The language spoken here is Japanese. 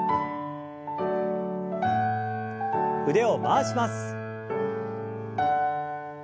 腕を回します。